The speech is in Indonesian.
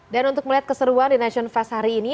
untuk melihat keseruan di nation fest hari ini